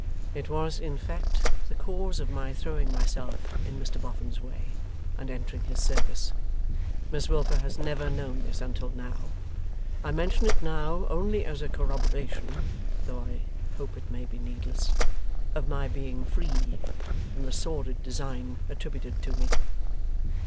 It was, in fact, the cause of my throwing myself in Mr Boffin's way, and entering his service. Miss Wilfer has never known this until now. I mention it now, only as a corroboration (though I hope it may be needless) of my being free from the sordid design attributed to me.